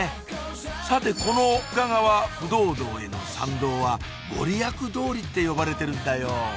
さてこの深川不動堂への参道はご利益通りって呼ばれてるんだよ